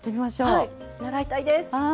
是非はい習いたいです。